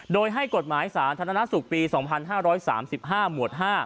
โดยให้กฎหมายสาธารณสุขปี๒๕๓๕หมวด๕